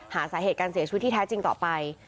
หาสาเหตุการเสียชีวิตที่แท้จริงต่อไป